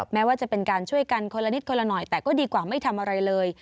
แม้ว่าจะเป็นการช่วยกันคนละนิดคนละหน่อยแต่ก็ดีกว่าไม่ทำอะไรเลย